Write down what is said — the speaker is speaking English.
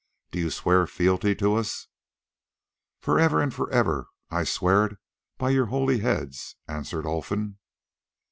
Do you swear fealty to us?" "For ever and for ever. I swear it by your holy heads," answered Olfan.